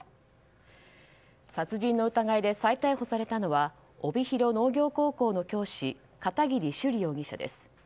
殺人の疑いで再逮捕されたのは帯広農業高校の教師片桐朱璃容疑者です。